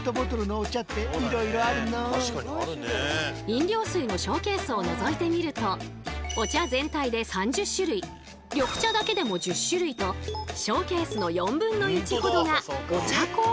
飲料水のショーケースをのぞいてみるとお茶全体で３０種類緑茶だけでも１０種類とショーケースの４分の１ほどがお茶コーナー。